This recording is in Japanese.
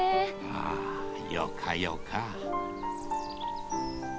あーよかよか。